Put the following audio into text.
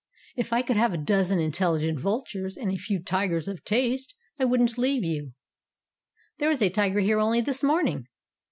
If I could have a dozen in telligent vultures and a few tigers of taste I wouldn't leave you." "There was a tiger here only this morning."